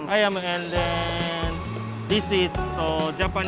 ayam dan ini teh jepang